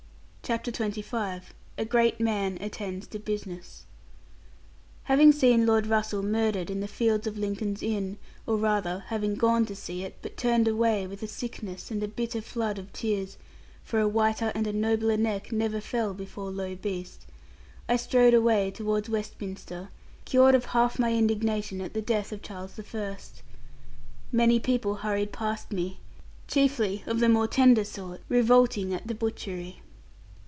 CHAPTER XXV A GREAT MAN ATTENDS TO BUSINESS Having seen Lord Russell murdered in the fields of Lincoln's Inn, or rather having gone to see it, but turned away with a sickness and a bitter flood of tears for a whiter and a nobler neck never fell before low beast I strode away towards Westminster, cured of half my indignation at the death of Charles the First. Many people hurried past me, chiefly of the more tender sort, revolting at the butchery.